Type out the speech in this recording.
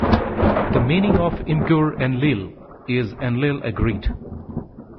The meaning of Imgur-Enlil is "Enlil agreed".